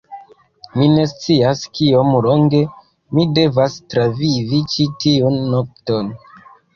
Mi ne scias kiom longe mi devas travivi ĉi tiun nokton.